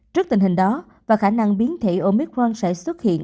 trước tình hình đó và khả năng biến thể ôn biết khoan sẽ xuất hiện